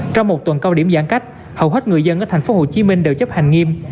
trong một tuần cao điểm giãn cách hầu hết người dân ở thành phố hồ chí minh đều chấp hành nghiêm